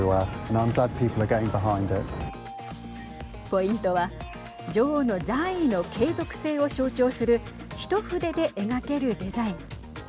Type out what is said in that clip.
ポイントは女王の在位の継続性を象徴する一筆で描けるデザイン。